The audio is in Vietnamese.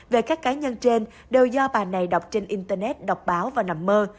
về các cá nhân trên đều do bà này đọc trên internet đọc báo và nằm mơ